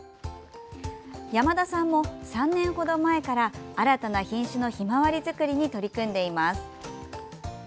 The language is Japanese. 山田さんも、３年ほど前から新たな品種のひまわり作りに取り組んでいます。